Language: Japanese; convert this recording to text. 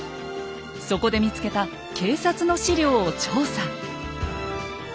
そこで見つけた警察の資料を調査。